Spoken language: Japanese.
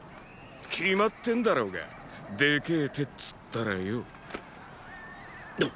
決まってんだろうがでけェ手っつったらよ。